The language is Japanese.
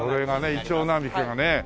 イチョウ並木がね。